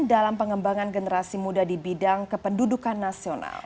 dalam pengembangan generasi muda di bidang kependudukan nasional